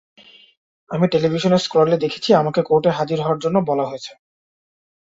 আমি টেলিভিশনের স্ক্রলে দেখেছি আমাকে কোর্টে হাজির হওয়ার জন্য বলা হয়েছে।